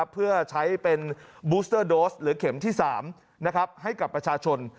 เพื่อใช้เป็นบูสเตอร์โดสหรือเข็มที่๓ให้กับประชาชน